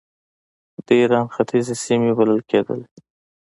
د ایران ختیځې سیمې بلل کېدله.